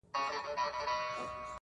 هم یې ماښام هم یې سهار ښکلی دی،